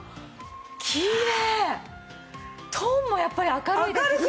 トーンもやっぱり明るいですしね。